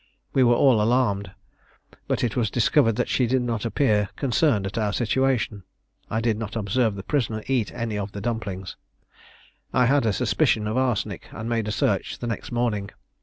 We were all alarmed: but it was discovered that she did not appear concerned at our situation. I did not observe the prisoner eat any of the dumplings. I had a suspicion of arsenic, and made a search the next morning.